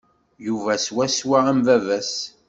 Yuba swaswa am baba-s.